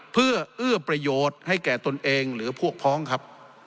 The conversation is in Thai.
เพื่อเอื้อประโยชน์ให้แก่ตนเองหรือพวกพ้องครับ